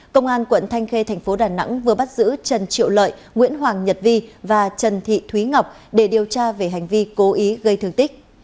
công an tp đà nẵng vừa bắt giữ trần triệu lợi nguyễn hoàng nhật vi và trần thị thúy ngọc để điều tra về hành vi cố ý gây thương tích